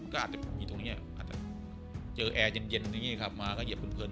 ก็อาจจะมีตรงนี้อาจจะเจอแอร์เย็นมาก็เหยียบเพลิน